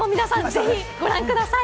ぜひご覧ください。